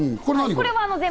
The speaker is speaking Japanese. これは何？